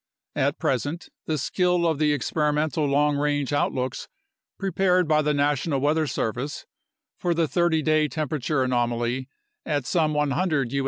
At present, the skill of the experimental long range outlooks prepared by the National Weather Service for the 30 day temperature anomaly at some 100 U.